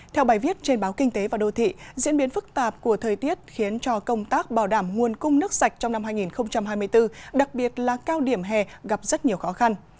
theo bài viết trên báo kinh tế và đô thị diễn biến phức tạp của thời tiết khiến cho công tác bảo đảm nguồn cung nước sạch trong năm hai nghìn hai mươi bốn đặc biệt là cao điểm hè gặp rất nhiều khó khăn